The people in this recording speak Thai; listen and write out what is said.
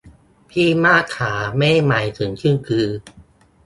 พี่มากขา ไม่ได้หมายถึงกิ้งกือ